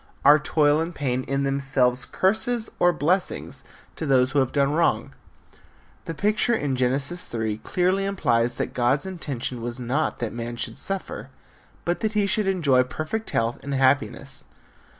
Are toil and pain in themselves curses or blessings to those who have done wrong? The picture in Genesis 3 clearly implies that God's intention was not that man should suffer but that he should enjoy perfect health and happiness.